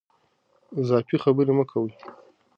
اضافي خبرې مه کوئ.